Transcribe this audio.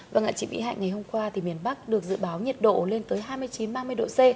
vâng ạ chị mỹ hạnh ngày hôm qua thì miền bắc được dự báo nhiệt độ lên tới hai mươi chín ba mươi độ c